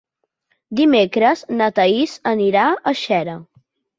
Dimecres na Thaís anirà a Xera.